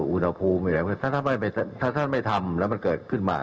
อุณหภูมิถ้าท่านไม่ทำแล้วมันเกิดขึ้นมา